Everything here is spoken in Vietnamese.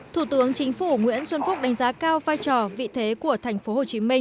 thủ tướng chính phủ nguyễn xuân phúc đánh giá cao vai trò vị thế của tp hcm